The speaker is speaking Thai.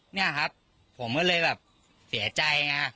เนี่ยครับผมก็เลยแบบเสียใจไง